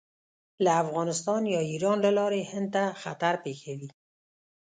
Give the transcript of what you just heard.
له افغانستان یا ایران له لارې هند ته خطر پېښوي.